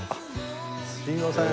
すいません。